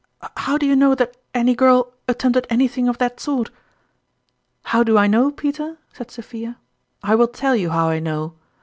" How do you know that any girl attempted anything of that sort?" " How do I know, Peter ?" said Sophia. " I will tell you how I know.